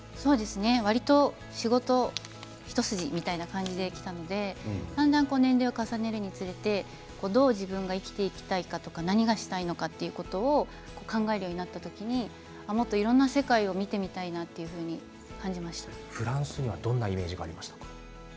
わりと仕事一筋みたいな感じできたので年齢を重ねるにつれてどう自分が生きていきたいかとか何かしたいのかということを考えるようになった時にもっといろんな世界を見てみたいなフランスにはどんなイメージがありましたか？